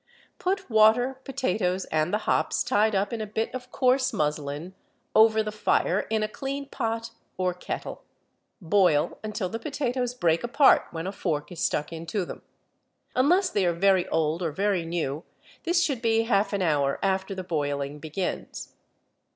Put water, potatoes, and the hops tied up in a bit of coarse muslin, over the fire in a clean pot or kettle. Boil until the potatoes break apart when a fork is stuck into them. Unless they are very old or very new, this should be half an hour after the boiling begins.